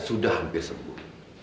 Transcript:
sudah hampir sembuh